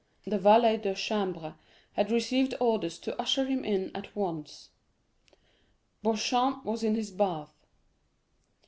The valet de chambre had received orders to usher him in at once. Beauchamp was in his bath.